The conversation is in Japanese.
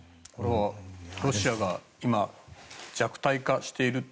ロシアが今弱体化している。